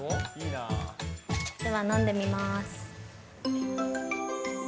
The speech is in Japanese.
では飲んでみます。